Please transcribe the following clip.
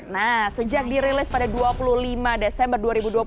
nah sejak dirilis pada dua puluh lima desember dua ribu dua puluh